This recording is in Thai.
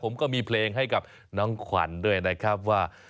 ผมก็มีเพลงให้กับน้องขวัญด้วยนะครับว่า